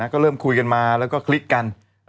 ก็เริ่มคุยกันมาแล้วก็คลิกกัน